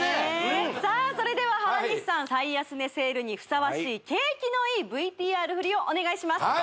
さあそれでは原西さん最安値セールにふさわしい景気のいいＶＴＲフリをお願いします